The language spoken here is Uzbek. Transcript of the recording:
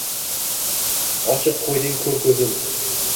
Ochib qo’yding ko’r ko’zim.